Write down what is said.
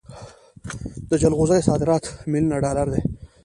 د جلغوزیو صادرات میلیونونه ډالر دي.